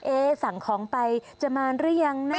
สั่งของไปจะมาหรือยังนะ